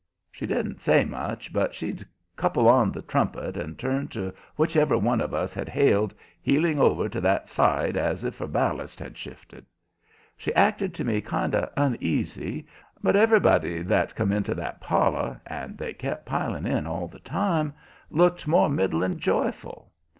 She didn't say much, but she'd couple on the trumpet and turn to whichever one of us had hailed, heeling over to that side as if her ballast had shifted. She acted to me kind of uneasy, but everybody that come into that parlor and they kept piling in all the time looked more'n middling joyful.